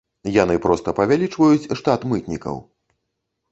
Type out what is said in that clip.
Яны проста павялічваюць штат мытнікаў.